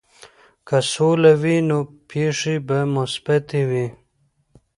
که سوله وي، نو پېښې به مثبتې وي.